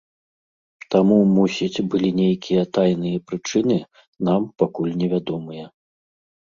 Таму, мусіць, былі нейкія тайныя прычыны, нам пакуль невядомыя.